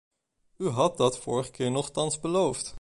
U had dat vorige keer nochtans beloofd.